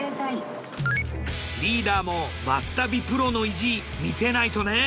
リーダーもバス旅プロの意地見せないとね。